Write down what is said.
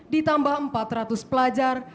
ditambah empat ratus pelajar